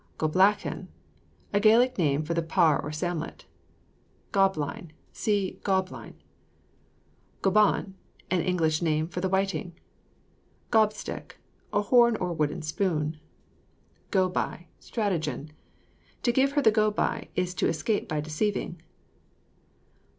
GOBLACHAN. A Gaelic name for the parr or samlet. GOB LINE. See GAUB LINE. GOBON. An old English name for the whiting. GOB STICK. A horn or wooden spoon. GO BY. Stratagem. To give her the go by, is to escape by deceiving.